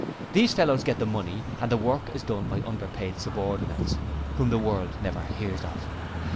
These fellows get the money and the work is done by underpaid subordinates whom the world never hears of.